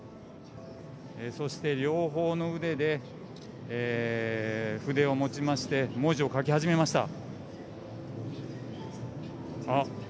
そして両方の腕で筆を持ちまして文字を書き始めました。